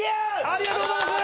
ありがとうございます！